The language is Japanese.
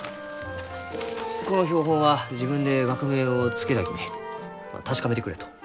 この標本は自分で学名を付けたき確かめてくれと。